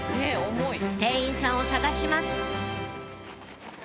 店員さんを探します